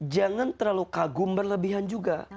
jangan terlalu kagum berlebihan juga